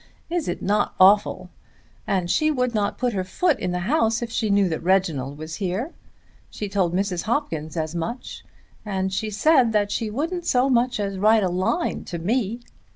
Is it not awful? And she would not put her foot in the house if she knew that Reginald was here. She told Mrs. Hopkins as much, and she said that she wouldn't so much as write a line to me.